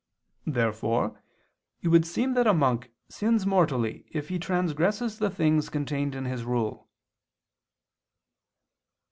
Therefore it would seem that a monk sins mortally if he transgresses the things contained in his rule.